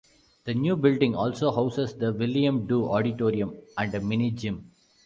The New Building also houses the William Doo Auditorium and a mini-gym.